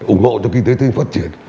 ủng hộ cho kinh tế tư nhân phát triển